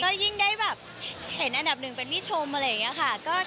ก็ยิ่งได้แบบเห็นอันดับหนึ่งเป็นมิชมอะไรอย่างนี้ค่ะ